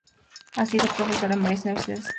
Ha sido profesor en varias universidades españolas.